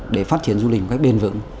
để phát triển du lịch một cách bền vững